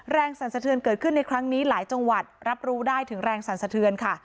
สั่นสะเทือนเกิดขึ้นในครั้งนี้หลายจังหวัดรับรู้ได้ถึงแรงสั่นสะเทือนค่ะ